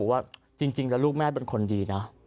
ว่าจริงแล้วลูกแม่เป็นคนดีนะ